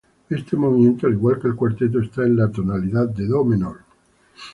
Este movimiento, al igual que el cuarteto, está en la tonalidad de "do "menor.